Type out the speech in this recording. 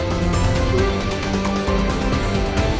baik pak unit ya mbak